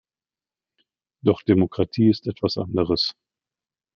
Doch Demokratie ist etwas anderes.